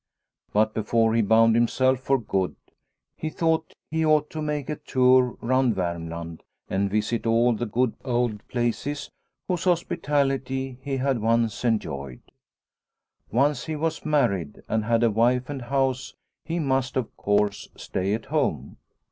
But before he bound himself for good, he thought he ought to make a tour round Varm land and visit all the good old places whose hospitality he had once enjoyed. Once he was married and had a wife and house he must, of course, stay at home.